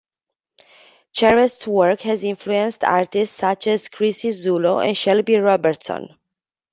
Charest's work has influenced artists such as Chrissie Zullo and Shelby Robertson.